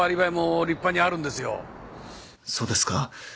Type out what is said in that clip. そうですか。